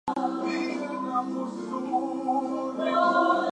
There are various interesting locations in the province.